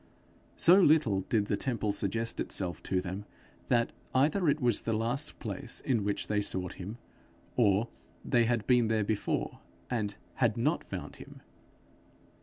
So little did the temple suggest itself to them, that either it was the last place in which they sought him, or they had been there before, and had not found him.